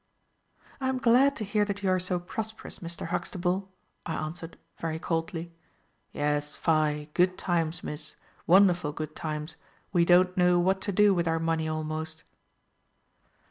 "I am glad to hear that you are so prosperous, Mr. Huxtable," I answered, very coldly. "Yes fie, good times, Miss, wonderful good times, we don't know what to do with our money a'rnost."